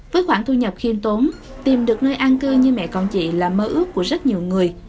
với khoản thu nhập khiêm tốn tìm được nơi an cư như mẹ con chị là mơ ước của rất nhiều người